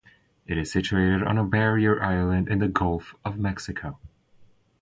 It is situated on a barrier island in the Gulf of Mexico.